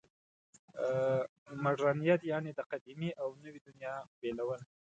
مډرنیت یعنې د قدیمې او نوې دنیا بېلول.